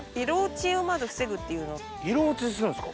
色落ちするんですか？